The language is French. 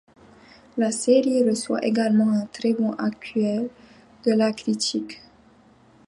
La série reçoit également un très bon accueil de la critique.